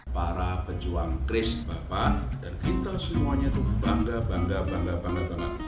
para pejuang chris bapak dan kita semuanya itu bangga bangga bangga bangga banget